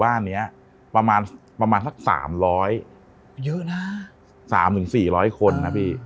บ้านเนี้ยประมาณประมาณสักสามร้อยเยอะนะ๓๔๐๐คนนะพี่